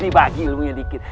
dibagi ilmunya dikit